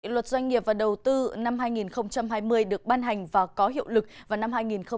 luật doanh nghiệp và đầu tư năm hai nghìn hai mươi được ban hành và có hiệu lực vào năm hai nghìn hai mươi